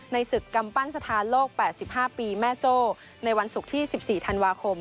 ในศึกกำปั้นสถานโลกแปดสิบห้าปีแม่โจในวันศุกร์ที่สิบสี่ธันวาคม